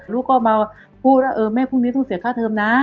ลูกก็มาพูดว่าเออแม่พรุ่งนี้ต้องเสียค่าเทิมนะ